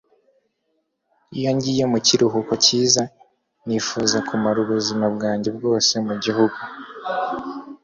iyo ngiye mu kiruhuko cyiza, nifuza kumara ubuzima bwanjye bwose mu gihugu